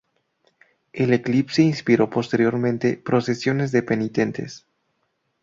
El eclipse inspiró posteriormente procesiones de penitentes.